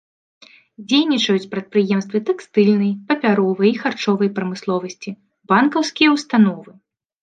Дзейнічаюць прадпрыемствы тэкстыльнай, папяровай і харчовай прамысловасці, банкаўскія ўстановы.